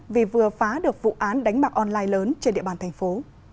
vì vừa phá được vụ án đánh bạc online lớn trên địa bàn thành phố